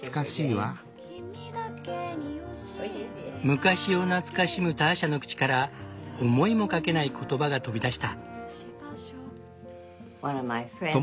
昔を懐かしむターシャの口から思いもかけない言葉が飛び出した。